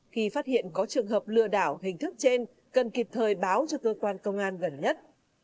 khi phát hiện có trường hợp lừa đảo hình thức trên cần kịp thời báo cho cơ quan công an gần nhất